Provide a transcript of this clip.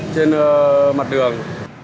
trên mặt đường